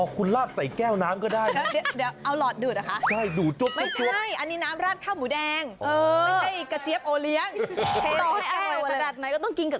คุณลาดใส่แก้วน้ำก็ได้